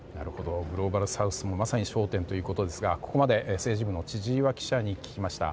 グローバルサウスもまさに焦点ということですがここまで政治部の千々岩記者に聞きました。